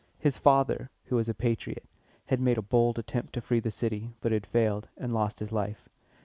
His father, who was a patriot, had made a bold attempt to free the city, but had failed, and lost his life.